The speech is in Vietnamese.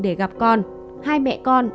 để gặp con hai mẹ con